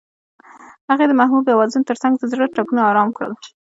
هغې د محبوب اوازونو ترڅنګ د زړونو ټپونه آرام کړل.